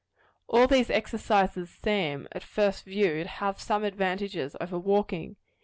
All these exercises seem, at first view, to have some advantages over walking.